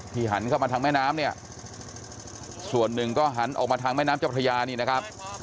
หันเข้ามาทางแม่น้ำเนี่ยส่วนหนึ่งก็หันออกมาทางแม่น้ำเจ้าพระยานี่นะครับ